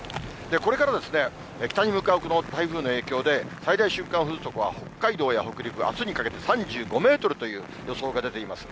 これから北に向かうこの台風の影響で、最大瞬間風速は、北海道や北陸、あすにかけて３５メートルという予想が出ています。